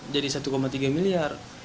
jadi satu tiga miliar